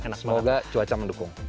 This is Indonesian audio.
enak semoga cuaca mendukung